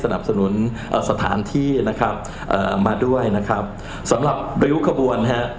นะครับเอ่อมาด้วยนะครับสำหรับริ้วขบวนฮะ